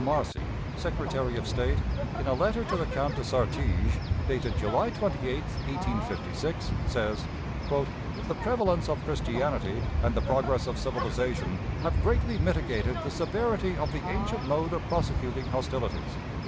Marcy, Secretary of State, in a letter to the Count de Sartiges, dated July 28, 1856, says: "The prevalence of Christianity and the progress of civilization have greatly mitigated the severity of the ancient mode of prosecuting hostilities.